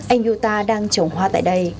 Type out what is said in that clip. anh yuta đang trồng hoa tại đây